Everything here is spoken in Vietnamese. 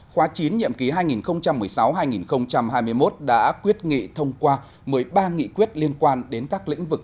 khóa chín nhiệm ký hai nghìn một mươi sáu hai nghìn hai mươi một đã quyết nghị thông qua một mươi ba nghị quyết liên quan đến các lĩnh vực